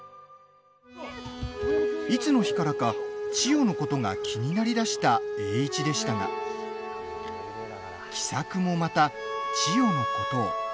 いつの日からか千代のことが気になりだした栄一でしたが喜作もまた千代のことを。